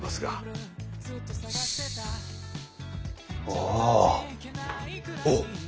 ああおう。